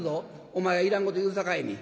お前がいらんこと言うさかいに」。